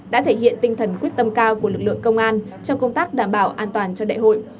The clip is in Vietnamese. đã thể hiện tinh thần quyết tâm cao của lực lượng công an trong công tác đảm bảo an toàn cho đại hội